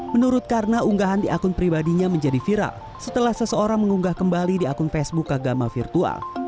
menurut karna unggahan di akun pribadinya menjadi viral setelah seseorang mengunggah kembali di akun facebook agama virtual